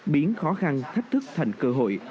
biến khó khăn thách thức thành cơ hội